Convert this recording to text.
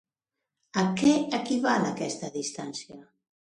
A què equival aquesta distància?